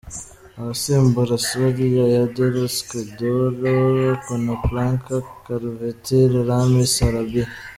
abasimbura : Soria, Yedder, Escudero, Konoplyanka, Kranevitter, Rami, Sarabia